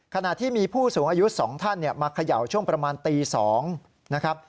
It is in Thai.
ขณะที่มีผู้สูงอายุ๒ท่านมาเขย่าช่วงประมาณตี๒นะครับ